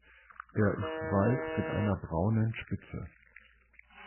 Er ist weiß mit einer braunen Spitze.